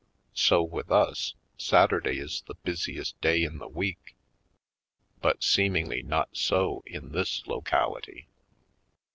So, with us, Satur day is the busiest day in the week. But seemingly not so in this locality.